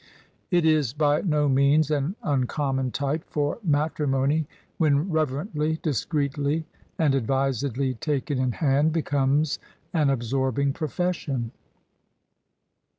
It is by no means an uncommon type: for matrimony, when reverently, discreetly and advisedly taken in hand, becomes an absorbing profession.